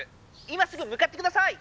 今すぐむかってください！